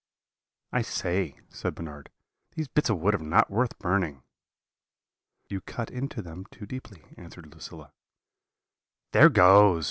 "'I say,' said Bernard, 'these bits of wood are not worth burning.' "'You cut into them too deeply,' answered Lucilla. "'There goes!'